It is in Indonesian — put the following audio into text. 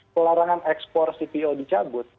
pelarangan ekspor cpo dicabut